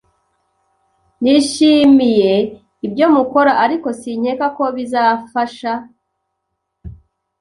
Nishimiye ibyo mukora, ariko sinkeka ko bizafasha.